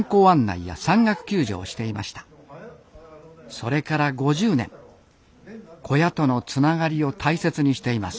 それから５０年小屋とのつながりを大切にしています。